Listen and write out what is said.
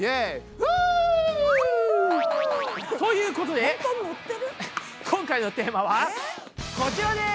ふ！ということで今回のテーマはこちらです！